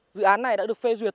dự án này đã được phê duyệt